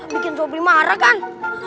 bikin sopri marah kan